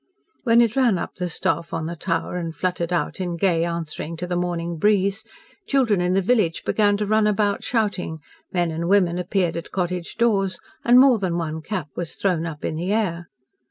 When it ran up the staff on the tower and fluttered out in gay answering to the morning breeze, children in the village began to run about shouting, men and women appeared at cottage doors, and more than one cap was thrown up in the air.